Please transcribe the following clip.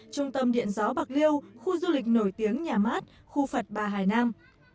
trung tâm điện gió bạc liêu khu du lịch nổi tiếng nhà mát khu phật bà hải nam